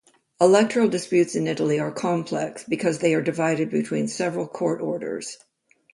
Electoral disputes in Italy are complex because they are divided between several court orders.